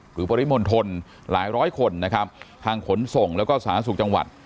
หรือปริมณฑลทนหลายร้อยคนนะครับทางขนส่งแล้วก็สถานีส่งจังหวัด